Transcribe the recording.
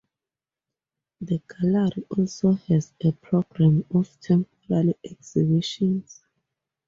The gallery also has a programme of temporary exhibitions.